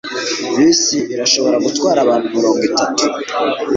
Bisi irashobora gutwara abantu mirongo itatu.